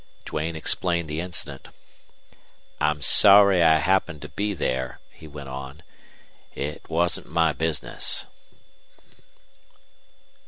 Duane explained the incident. "I'm sorry I happened to be there," he went on. "It wasn't my business."